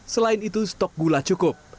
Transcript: selain itu stok gula cukup